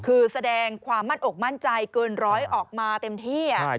คือแสดงความมั่นอกมั่นใจเกินร้อยออกมาเต็มที่